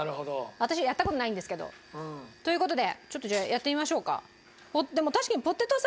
私やった事ないんですけど。という事でちょっとじゃあやってみましょうか。